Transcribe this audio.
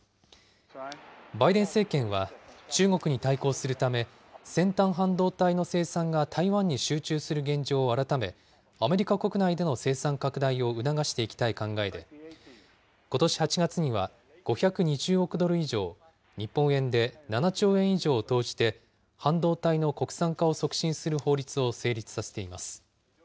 バイデン政権は、中国に対抗するため、先端半導体の生産が台湾に集中する現状を改め、アメリカ国内での生産拡大を促していきたい考えで、ことし８月には、５２０億ドル以上、日本円で７兆円以上を投じて、半導体の国産化を促進する法律を成立させています。